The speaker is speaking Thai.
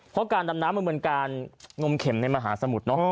เพราะการดำน้ำมันเป็นการงมเข็มในมหาสมุทรเนอะ